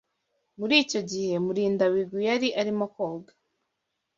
Muri icyo gihe, Murindabigwi yari arimo koga.